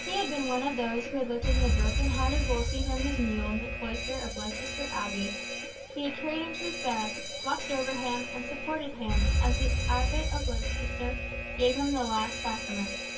He had been one of those who had lifted the broken hearted Wolsey from his mule in the cloister of Leicester Abbey, he had carried him to his bed, watched over him, and supported him, as the Abbot of Leicester gave him the last Sacraments.